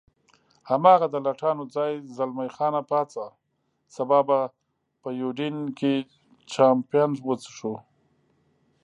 هماغه د لټانو ځای، زلمی خان پاڅه، سبا به په یوډین کې چامپېن وڅښو.